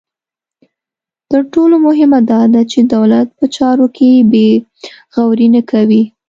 تر ټولو مهمه دا ده چې دولت په چارو کې بې غوري نه کوي.